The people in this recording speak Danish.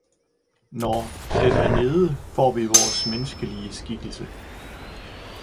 når den er nede, får vi vor menneskelige skikkelse.